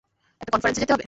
একটা কনফারেন্সে যেতে হবে।